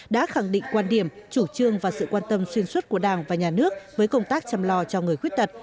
đã khẳng định quan điểm chủ trương và sự quan tâm xuyên suốt của đảng và nhà nước với công tác chăm lo cho người khuyết tật